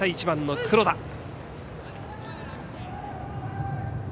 １番の黒田。